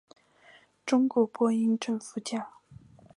中国播音政府奖。